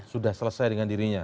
sudah selesai dengan dirinya